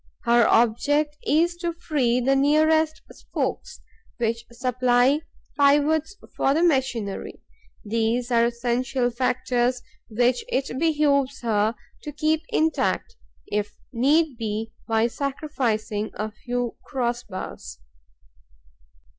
Her object is to free the nearest spokes, which supplied pivots for the machinery. They are essential factors which it behoves her to keep intact, if need be by sacrificing a few cross bars.